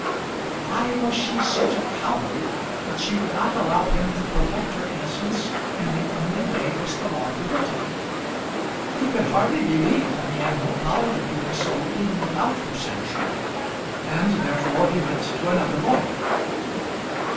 But why was she such a coward that she would not allow him to protect her innocence in the only way which the law permitted? He could hardly believe that he had no power of doing so even without her sanction; and therefore he went to another lawyer.